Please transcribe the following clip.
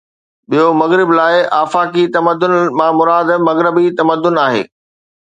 ٻيو، مغرب لاءِ، آفاقي تمدن مان مراد مغربي تمدن آهي.